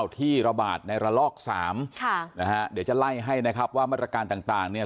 ที่ระบาดในระลอกสามค่ะนะฮะเดี๋ยวจะไล่ให้นะครับว่ามาตรการต่างต่างเนี่ย